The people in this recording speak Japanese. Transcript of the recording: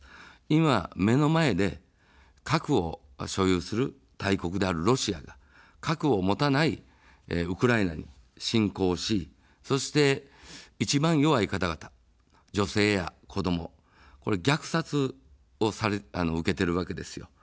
今、目の前で核を所有する大国であるロシアが核を持たないウクライナに侵攻をし、そして、一番弱い方々、女性や子ども、虐殺を受けているわけですよ。